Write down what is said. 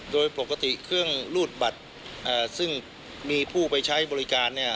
โดยปกติเครื่องรูดบัตรซึ่งมีผู้ไปใช้บริการเนี่ย